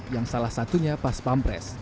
yang salah satunya pas pampres